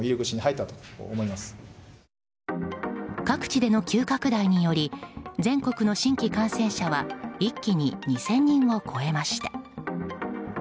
各地での急拡大により全国の新規感染者は一気に２０００人を超えました。